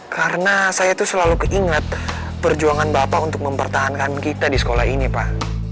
karena saya tuh selalu keinget perjuangan bapak untuk mempertahankan kita di sekolah ini pak